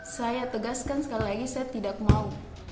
saya tegaskan sekali lagi saya tidak mau